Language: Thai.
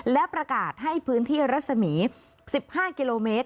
และประกาศให้พื้นที่รัศมี๑๕กิโลเมตร